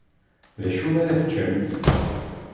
Dacu ara teččemt?